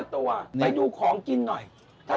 ต่อไปดูของกินนึง